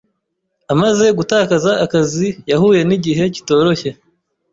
Amaze gutakaza akazi, yahuye nigihe kitoroshye.